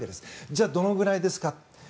じゃあ、どのぐらいですか。